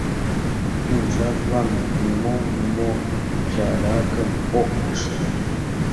Шинчатлан нимо-нимо чаракым ок ыште.